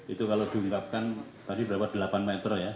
itu kalau diungkapkan tadi berapa delapan meter ya